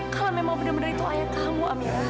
kalau memang benar benar itu ayah kamu ya